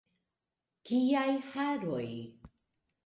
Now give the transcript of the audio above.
Kiaj haroj!